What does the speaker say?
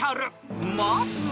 ［まずは］